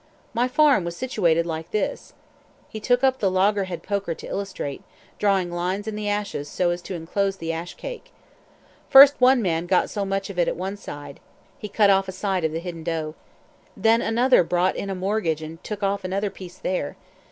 My farm was situated like this " He took up the loggerhead poker to illustrate, drawing lines in the ashes so as to enclose the ash cake. "First one man got so much of it one side," he cut off a side of the hidden dough. "Then another brought in a mortgage and took off another piece there.